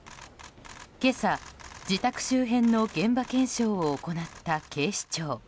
今朝、自宅周辺の現場検証を行った警視庁。